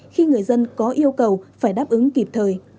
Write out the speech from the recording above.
khi người dân có yêu cầu phải đáp ứng kịp thời